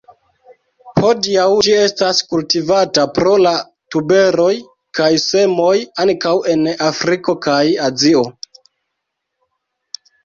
Hodiaŭ ĝi estas kultivata pro la tuberoj kaj semoj, ankaŭ en Afriko kaj Azio.